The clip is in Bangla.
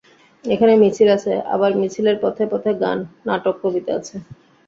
এখানে মিছিল আছে, আবার মিছিলের পথে পথে গান, নাটক, কবিতা আছে।